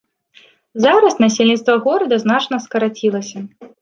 Зараз насельніцтва горада значна скарацілася.